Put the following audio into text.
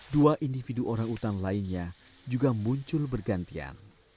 dua individu orangutan lainnya juga muncul bergantian